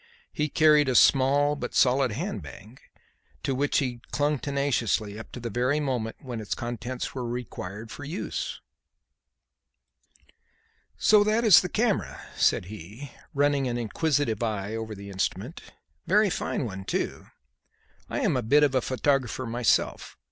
He carried a small but solid hand bag, to which he clung tenaciously up to the very moment when its contents were required for use. "So that is the camera," said he, running an inquisitive eye over the instrument. "Very fine one, too; I am a bit of a photographer myself.